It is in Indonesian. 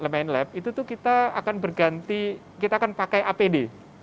main lab itu kita akan berganti kita akan pakai apd